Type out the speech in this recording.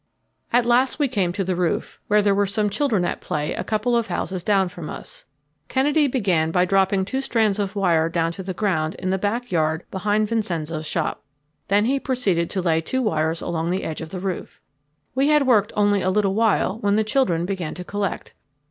At last we came to the roof, where there were some children at play a couple of houses down from us. Kennedy began by dropping two strands of wire down to the ground in the back yard behind Vincenzo's shop. Then he proceeded to lay two wires along the edge of the roof. We had worked only a little while when the children began to collect.